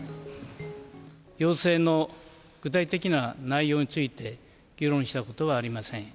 要請の具体的な内容について、議論したことはありません。